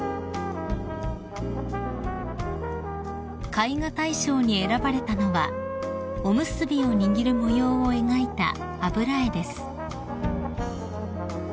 ［絵画大賞に選ばれたのはおむすびを握る模様を描いた油絵です］